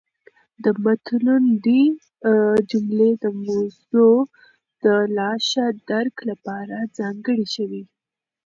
د مط الندې جملې د موضوع د لاښه درک لپاره ځانګړې شوې.